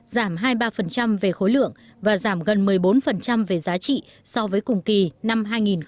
giảm hai mươi ba về khối lượng và giảm gần một mươi bốn về giá trị so với cùng kỳ năm hai nghìn một mươi tám